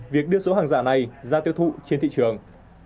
việc đưa số hàng giả này ra tiêu thụ trên thị trường